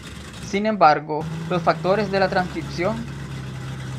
Sin embargo, los factores de la transcripción??